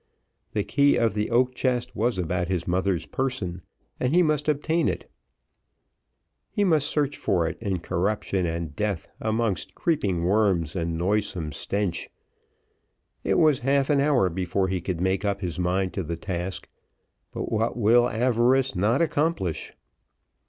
The key of the oak chest was about his mother's person and he must obtain it, he must search for it in corruption and death, amongst creeping worms and noisome stench. It was half an hour before he could make up his mind to the task! but what will avarice not accomplish!